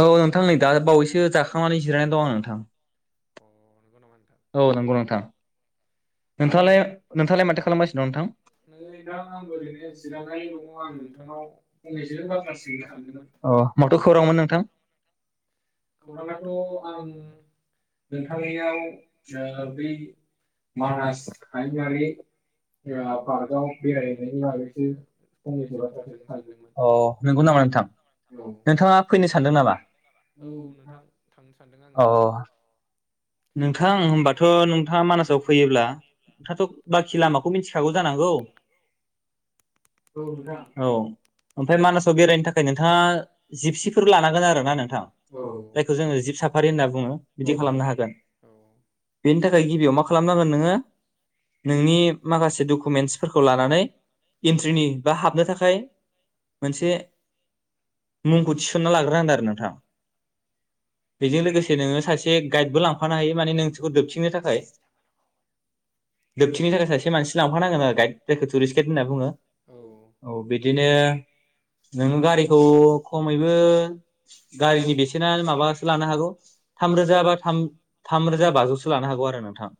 औ नोंथां नै दा बावैसो जाखांनानै जिरायनानै दं आं नोंथां। अ नंगौ नामा? औ नंगौ नोंथां। नोंथाङालाय नोंथाङालाय माथो खालामगासिनो दं नोंथां। नै दा आं ओरैनो जिरायनानै दङ आं नोंथांनाव फंनैसो बाथ्रा सोंनो अ माथो खौरांमोन नोंथां? प्रग्रामाथ' आं नोंथांनियाव बै ओ नंगौ नामा नोंथां? नोंथांआ फैनो सानदों नामा? औ नोंथां थांनो सानदों आङो। नोंथांआथ' बाखि लामाखौ मिथिखागौ जानांगौ औ ओमफ्राय मानासाव बेरायनो थाखाय नोंथाङा जिपसिफोर लानांगोन आरोना नोंथां। जायखौ जोङो जिब साफारि होनना बुङो बिदि खालामनो हागोन बेनि थाखाय गिबियाव मा खालाम खालामनांगोन नोङो नोंनि माखासे डकुमेन्सफोरखौ लानानै इन्ट्रिनि बा हाबनो थाखाय मोनसे मुंखौ थिसनना लाग्रोनादों आरो नोंथां। बेजों लोगोसे नोङो सासे गाइदबो लांफानो हायो माने नोंसखौ दोबथिंनो थाखाय। दोबथिंनि थाखाय सासे मानसि लांफानांगोन आरो गाइड जायखौ टुरिस्ट गाइड होनना बुङो औ बिदिनो नोंङो गारिखौ खमैबो गारिनि बेसेना माबासो लानो हागौ थामरोजा बा थामरोजा बाजौसो लानो हागौ आरो नोंथां।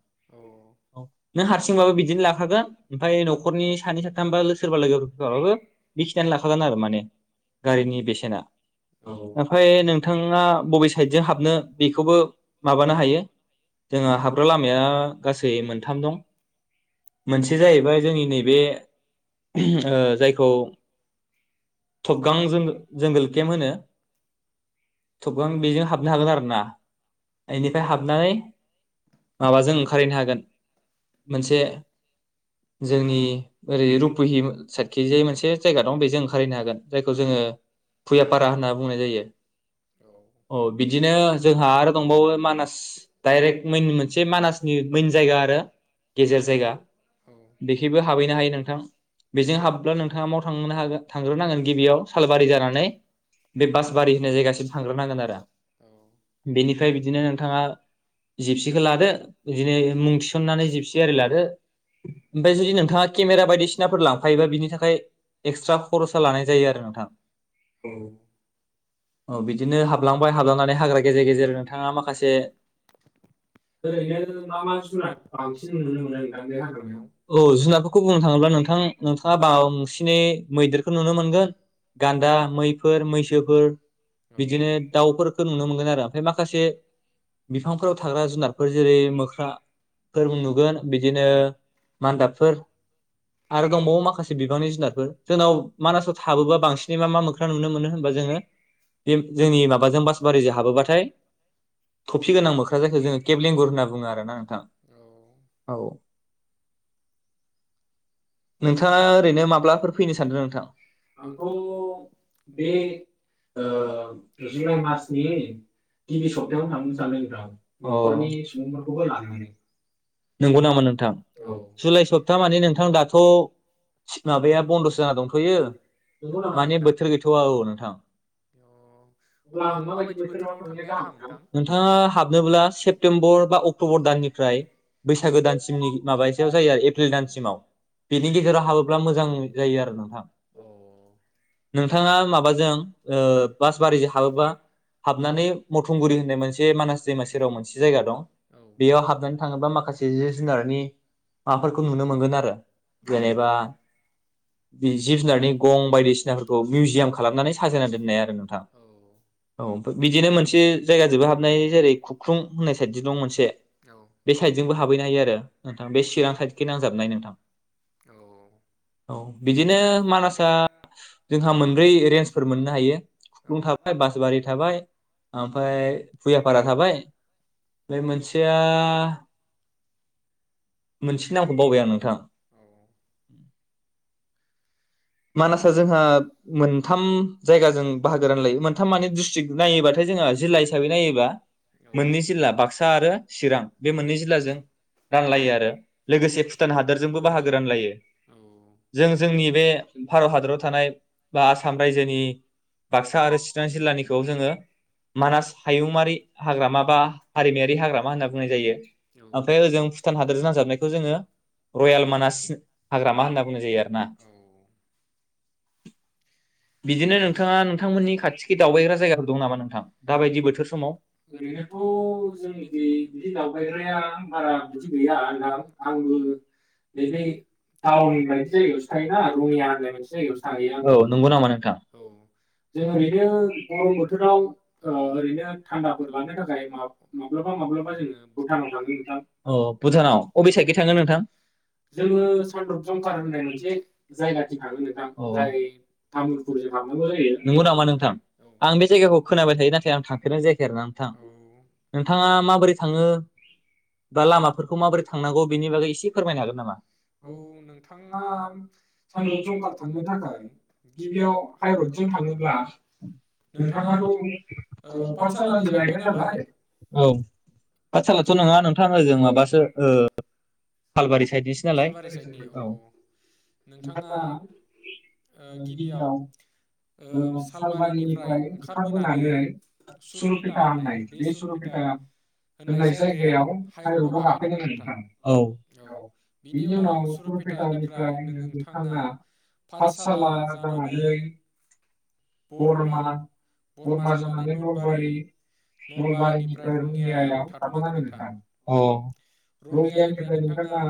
औ नों हारसिंबाबो बिदिनो लाखागोन ओमफफ्राय नखरनि सानै साथामबा सोरबा लोगोफोराबाबो बेखिनो लाखागोन आरो माने गारिनि बेसेना ओमफफ्राय नोंथाङा बबे साइडजों हाबनो बेखौबो माबानो हायो जोंहा हाबग्रा लामाया गासै मोनथाम दं। मोनसे जाहैबाय जोंनि नैबे ओ जायखौ थगगां जोंगो-जोंगोल केम्प होनो। थबगां बेजों हाबनो हागोन आरोना बेनिफ्राय हाबनानै माबाजों ओं [unintelligible] हागोन मोनसे जोंनि ओरै रुपहि साइखि जे मोनसे जायगा दं बेजों ओंलनो हागोन जायखौ जोङो फुयापारा होनना बुंनाय जायो। औ बिदिनो जोंहा आरो दंबावो मानास डाइरेक्ट मन मोनसे मानास मोन जायगा आरो गेजेर जायगा बेखबो हाबहैनो हायो नोंथां बेजों हाब्ला नोंथाङा माव थांनो होन थांग्रोनांगोन गिबियाव सालबारि जानानै बे बासबारि होननाय जायगासिम थां थांग्रोनांगोन आरो बेनिफ्राय बिदिनो नोंथाङा जिपसिखौ लादो बिदिनो मुं थिसननानै जिबसि आरो लादो ओमफ्राय जुदि नोंथाङा केमेरा बायदिसिनाफोर लांफायोबा बिनि थाखाय एक्सट्रा खरसा लानाय जायो आरो नोंथां। बिदिनो हाबलांबाय हाबलांनानै हाग्रा गेजेर गेजेर नोंथाङा माखासे औ जुनारफोरखौ बुंनो थाङोब्ला नोंथां नोंथाङा बसिनै मैदेरखौ नुनो मोनगोन गान्दा मैफोर मैसोफोर बिदिनो दाउफोरखौ नुनो मोनगोन आरो ओमफ्राय माखासे बिफांफोराव थाग्रा जुनारफोर जेरै मोख्राफोर नुगोन बिदिनो मान्दाबफोर आरो गावबागाव माखासे बिबांनि जुनारफोर जोंनाव मानासाव थाबोबा बांसिनै मा मा मोख्रा नुनो मोनो होनबा जोङो बे जोंनि माबाजों बासबारिजों हाबोबाथाय थफि गोनां मोख्रा जायखौ जोङो केब लेंगुर होनना बुङो आरोना नोंथां औ नोंथाङा ओरैनो माब्लाफोर फैनो सानदों नोंथां आंथ बे ओ जुलाइ मासनि गिबि सप्तायावनो थांनो सानोदों नोंथां। सुबुंफोरखौबो लानानै औ माबाया बन्दसो जाना दंथयो माने बोथोर गैथवा औ नोंथां नोंथाङा हाबनोब्ला सेप्तेम्बर बा अक्टबर दाननिफ्राय बैसागो दानसिमनि माबासेयाव जायो आरो एप्रिल दानसिमाव बिनि गेजेराव हाबोब्ला मोजां जायो आरो नोंथां नोंथाङा माबाजों ओ बासबारिजों हाबोबा हाबनानै मथंगुरि होननाय मोनसे मानास दैमा सेराव मोनसे जायगा दं बेयाव हाबनानै थाङोबा माखासे जिब जुनारनि माबाफोरखौ नुनो मोनगोन आरो जेनेबा बि जिब जुनारनि गं बायदि सिनाफोरखौ मिउजियाम खालामनानै साजायना दोननाय आरो नोंथां औ बिदिनो मोनसे जायगाजोबो हाबनो हायो जेरै खुख्रुं होनाय साइदि दं मोनसे बे बे साइदजोंबो हाबहैनो हायो आरो नोंथां बे चिरां साइदखि नांजाबनाय नोंथां। औ बिदिनो मानासआ जोंहा मोनब्रै रेन्जफोर मोननो हायो खुख्लुं थाबाय बासबारि थाबाय ओमफाय भुयाफारा थाबाय ओमफ्राय मोनसे दा [inaudible] मानासआ जोंहा मोनथाम जायगाजों बाहागो रानलायो मोनथाम मान डिस्ट्रिक्ट नायोबाथाय जोंहा जिल्ला हिसाबै नायोबा मोननै जिल्ला बाक्सा आरो चिरां बे मोननै जिल्लाजों रानलायो आरो लोगोसे भुटान हादोरजोंबो बाहागो रानलायो जों जोंनि बे -' भारत हादराव थानाय बा आसाम रायजोनि बाक्सा आरो चिरां जिल्लानिखौ जोङो मानास हायुंयारि हाग्रामा बा हारिमायारि हाग्रामा होनना बुंनाय जायो ओमफ्राय ओजों भुटान हादरजों नांजाबनायखौ जोङो रयेल मानास हाग्रामा होनना बुंनाय जायो आरो ना बिदिनो नोंथाङा नोंथांमोननि खाथिखै दावबायग्रा जायगाफोर दं नामा नोंथां दाबायदि बोथोर समाव ओरैनोथ जोंनिखै बिदि दावबायग्राया बारा बिदि गैया नोंथां आंबो नैबे टावोननि मोनसे जायगायावसो थायो। रङिया होननाय मोनसे जायगायावसो थाहैयो आङो औ नंगौ नामा नों जों ओरैनो गरम बोथोराव ओ ओरैनो थान्दाफोर लानो थाखाय माब माब्लाबा माब्लाबा जोङो भुटानाव थाङो नोंथां अ भुटानाव अबे सायथखै थाङो नोंथां जोङो सान्र्दुप जंखार होननाय मोनसे जायगाथिं थाङो नोंथां औ जाय तामुल फुरजों हाबनांगौ जायो जेराव थांनो थाखाय औ आं बे जायगाखौ खोनाबाय थायो नाथाय आं थांफेरनाय जायाखै आरोना नोंथां औ नोंथाङा माबोरै थाङो लामाफोरखौ माबोरै थांनांगौ बिनि बागै इसे फोरमायनो हागोन नामा औ नोंथाङा? सानद्रुप जंखार थांनो थाखाय अ हाइरथजों थाङोब्ला नोंथाङाथ ओ पाठसालानि जाहैबाय नालाय औ पाठसालाथ नङा नोंथां ओजों माबासो ओ सालबारि साइदनिसो नालाय औ नोंथाङा गिबियाव ओ गिबियाव ओ सालबारिनिफ्राय ओंखारबोनानै सुरुपेटा होननाय बे सुरुपेटा होननाय जायगायाव हाइरडाव गाफैनांगोन नोंथां औ औ बिनि उनाव सुरपेटानिफ्राय नोंङो थां नोंथाङा पाठसाला जानानै बरमा बरमा जानानै नलबारि नलबारिनिफ्राय रङियायाव थाथनांगोन नोंथां अ रङियानिफ्राय नोंथां आ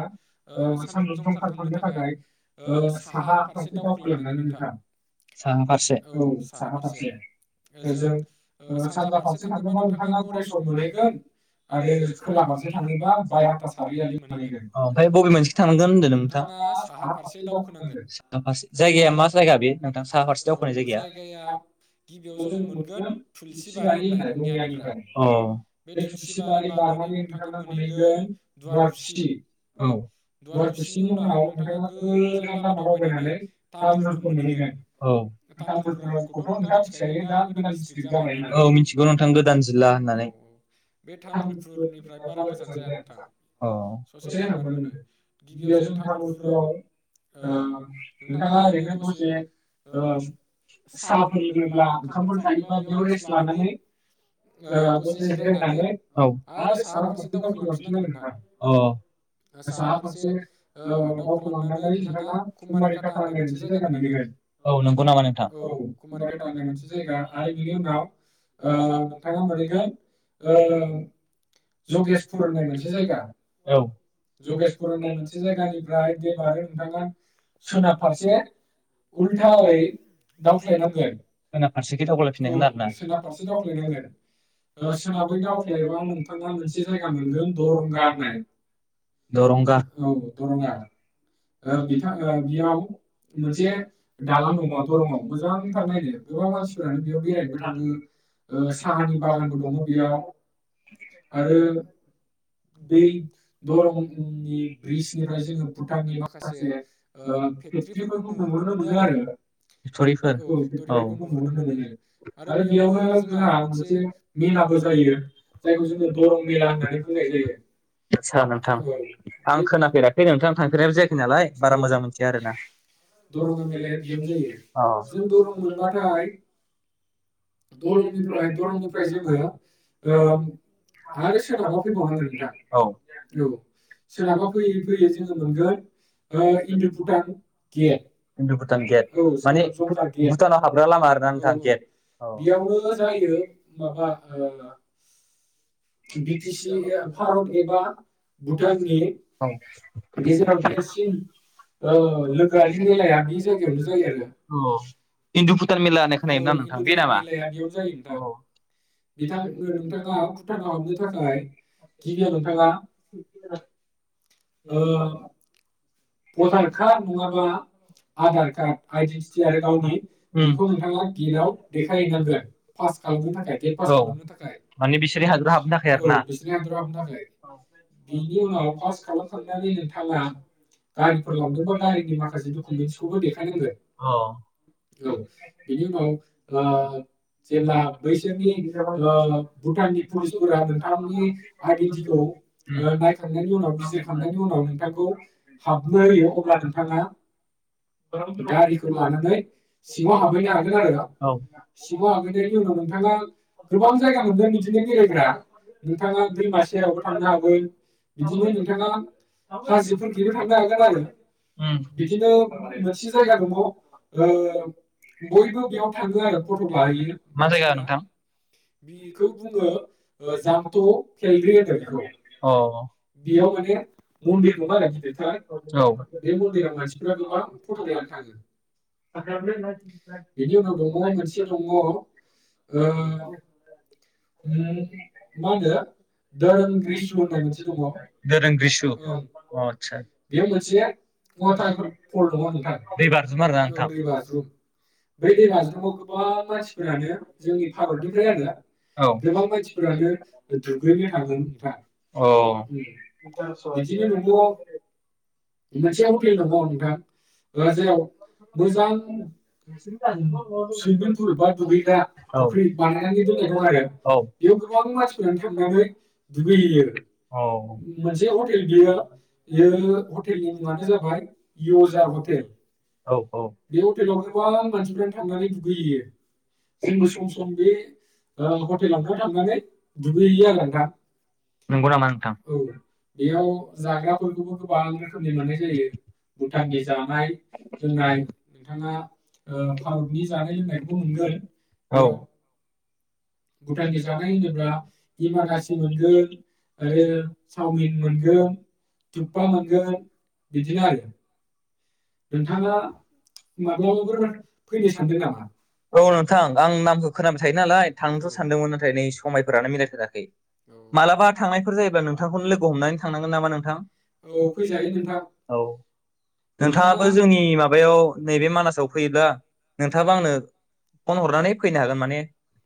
ओ सान्द्रुप जंखार थांनो थाखाय ओ साहा फारसे दावखोलांनानै नोंथां साहा फारसे औ साहा फारसे ओजों ओ सानजा फारसे थाङोबा नोंथाङा गरेस्वर मोनहैगोन आरो खोला फारसे थाङोबा बायहाथा सारियालि मोनहैगोन अ ओमफाय बबे मोनसे थानांगोन होनदों नोंथाङा नोंथाङा साहा फारसे [unintelligible] साहा फारसे जायगाया मा जायगा बे नोंथां साहा फारसे दावखोननाय जायगाया जायगाया बेयाव जोङो मोनगोन थुलसिबारि होन्नाय रङियानिफ्राय औ बे थुलसिबारि बारनानै नोंथाङा मोनहैगोन नरखिथि औ दुवार खुसिनि उनाव नोंथाङा गोजान लामा दावबायनानै [unintelligible] खौ मोनहैगोन औ तामुलपुरखौथ नोंथाङा मिथिखायो दा गोदान दिस्थ्रिक्ट जाबाय होन्ना औ मिथिगौ नोंथां गोदान जिल्ला होननानै बे तामुलपुरनिफ्राय बारा गोजान जाया नोंथां औ दसे थांबानो मोनो गिबियाव जों तामुलपुराव ओ नोंथाङा ओरैनो दसे ओ साहाफोर लोङोब्ला ओंखामफोर जायोब्ला बेयाव रेस्ट लानानै ओ दसे जिरायनानै औ आरो साहा फारसे दावखोलांफिननांगोन नोंथां ओ साहा फारसे ओ दावखोलांनानै [unintelligible] नोंथाङा कुमारिकाटा होननाय मोनसे जायगा मोनहैगोन औ नंगौ नामा नोंथां औ कुमारिकाटा होननाय मोनसे जायगा आरो बिनि उनाव ओ नोंथाङा मोनहैगोन ओ जगेसपुर होननाय मोनसे जायगा औ जगेशप मोनसे जायगानिफ्राय दै बारो नोंथाङा सोनाब फारसे उल्थायै दावख्लायनांगोन सोनाब फारसेखै दावख्लायफिनांगोन आरोना औ सोनाबफारसे दावख्लायनांगोन दसे उनाव बै दावख्लायबा नोंथाङा मोनसे जायगा मोनगोन दरंगा होननाय दरंगा औ दरंगा ओ बिथा ओ बियाव मोनसे दालां दङ दरंआव मोजांथार नायनो गोबां मानसिफोरानो बेयाव बेरायनोबो थाङो ओ साहानि बागानबो दङो बेयाव आरो बै दरं उम्मनि ब्रिसनिफ्राय जोंङो भुटाननि मा माखासे ओ फेक्ट्रिफोरखौ नुहुरनो मोनो आरो फेक्टरिफोर औ फेक्टरिफोरखौ नुहुरनो मोनो आरो बेयावनो जोंहा मोनसे मेलाबो जायो जायखौ जोंङो दरं मेला होननानै बुंनाय जायो। सा नोंथां आं खोनाफेराखै नोंथां थांफेरनायबो जाया लाय बारा मोजां मिथिया आरो ना। दरंगा मेलाया बियावनो जायो अ जों दरं मोनबाथाय दंरंनिफ्राय दरंनिफ्राय जोङो ओ आरो सोनाबा फैबावनांगोन नोंथां। औ औ सोनाबा फैयै फैयै जोङो मोनगोन ओ Indo Bhutan gate Indo Bhutan gate औ माने भुटानाव हाबग्रा लामा आरोना नोंथां गेट औ बेयावनो जायो माबा ओ बिटिसि ए भारत एबा भुटाननि गेजेराव दे सिन ओ लोगोआरि मेलाया बे जायगायावनो जायो आरो औ इन्दु भुटान मेला होननाय खोनायोना नोंथां बे नामा [unintelligible] बेयावनो जायो अ बिथां नोंथांङा भुटानाव हाबनो थाखाय गिबियाव नोंथाङा ओ भटार कार्ड नङाबा आधार कार्ड आइडिनटिटि आरो गावनि बेखौ नोंथांङा गेटाव देखायहैनांगोन पास खालामनो थाखाय गेट पास खालामनो थाखाय। औ माने बिसोरनि हादराव हाबनो थाखाय आरो‌ना? औ बिसोरनि हादोराव हाबनो थाखाय बिनि उनाव पास खालामखांनानै नोंथांङा गारिफोर लांदोंबा गारिनि माखासे डुकुमेन्टसखौबो देखायनांगोन अ औ बेनि उनाव ओ जेब्ला बैसोरनि भुटाननि पुलिसफोरा नोंथांनि आइदेन्टिखौ नायखांनायनि उनाव बिजिरखांनायनि उनाव नोंथांखौ हाबनो होयो अब्ला नोंथाङा गारिखौ लानानै सिङाव हाबहैनो हागोन आरोना औ सिङाव हाबहैनायनि उनाव नोंथांङा गोबां जायगा मोनगोन बिदिनो बेरायग्रा नोंथांङा दैमा सेरावबो थांनो हागोन बिदिनो नोंथांङा हाजोफोर खैबो थांनो हागोन आरो बिदिनो मोनसे जायगा दङ ओ बयबो बेयाव थांङो आरो फटक लाहैयो। मा जायगा नोंथां? बेखौ बुङो जांट' फेलरि होनो बिखौ अ। बियाव माने मन्दिर दंङोआरो गिदि दिरथार औ बे मनदिराव मानसिफ्रा गोबां फटक लानो थाङो [unintelligible] बेनि उनाव दङ मोनसे दङ ओ उम्म मा होनो दोरोंग्रिसु होननाय मोनसे दङ दोरोंग्रिसु अ [unintelligible] [unintelligible] बेयाव मोनसे वाटारपल पल दङ नोंथां दै बाज्रुम आरोना नोंथां औ दैबाज्रुम बे दैबाज्रुमाव गोबां मानसिफोरानो जोंनि भारतनिफ्राय आरो औ गोबां मानसिफोरानो दुगैनो थाङो नोंथां अ। उम्म बिदिनो दङ मोनसे हटेल दङ नोंथां ओ जेराव मोजां [unintelligible] सुइमिं पुल बा दुगैग्रा औ फुख्रि बानायनानै दोननाय दं आरो औ बेयाव गोबां मानसिफोरानो थांनानै दुगैहैयो। औ मोनसे हटेल बियो बे हटेलनि मुङानो जाबाय यजार हटेल औ औ बे हटेलाव गोबां मानसिफोरानो थांनानै दुगैहैयो जोंबो सम सम बे ओ हटेलाव थांनानै दुगैहैयोआरो नोंथां। नंगौ नामा औ बेयाव जाग्राफोरख खौबो गोबां रोखोमनि मोननाय जायो भुटाननि जानाय लोंनाय नोंथांङा ओ भारतनि जानाय लोंनायखौबो मोनगोन बेयाव भुटाननि जानाय होनोब्ला इमादासि मोनगोन आरो चावमिन मोनगोन थुखपा मोनगोन बिदिनो आरो नोंथाङा माब्लाबाफोर फैनो सानदों नामा औ नोंथां आं नामखौ खोनाबाय थायो नालाय थांनोथ सानदोंमोन नाथाय नै समायफोरानो मिलायफेराखै मालाबा थांनाय फोर जायोब्ला नोंथांखौनो लोगो हमनानै थांनांगोन नामा नोंथां? औ फैजायो नोंथां औ नोंथाङाबो जोंनि माबायाव नैबे मानासाव फैयोब्ला नोंथाङाबो आंनो फन हरनानै फैनो हागोन माने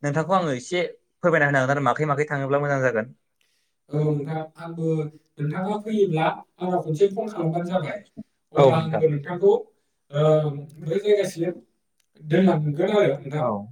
नोंथांखौ आङो एसे फोरमायना होनो हागोन आरो माखै माखै थाङोब्ला मोजां जागोन। औ नोंथा आंबो नोंथांङा फैयोब्ला आंनाव खनसे फन खालामबानो जाबाय औ नोंथां आंबो नोंथांखौ ओ बै जायगासिनो दोनलां फिनगोन आरो नोंथां औ।